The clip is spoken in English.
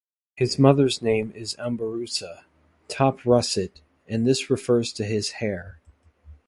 His mother name is Ambarussa, "Top-russet", and this refers to his hair.